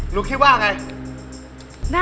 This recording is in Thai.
หนูคิดว่าอะไร